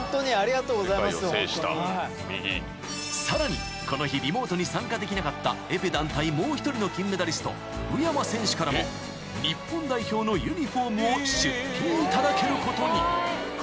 ［さらにこの日リモートに参加できなかったエペ団体もう１人の金メダリスト宇山選手からも日本代表のユニホームを出品いただけることに］